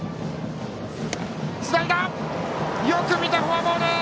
よく見た、フォアボール！